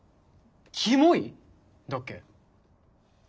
「キモイ」だっけ？